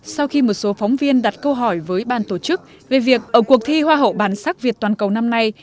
sau khi một số phóng viên đặt câu hỏi với ban tổ chức về việc ở cuộc thi hoa hậu bản sắc việt toàn cầu năm nay